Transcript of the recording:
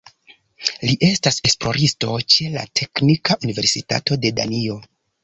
Li estas esploristo ĉe la Teknika Universitato de Danio.